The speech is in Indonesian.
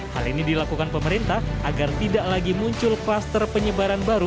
hal ini dilakukan pemerintah agar tidak lagi muncul kluster penyebaran baru